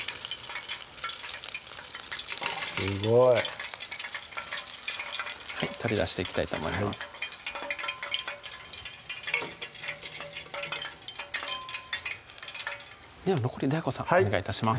すごい取り出していきたいと思いますでは残りＤＡＩＧＯさんお願い致します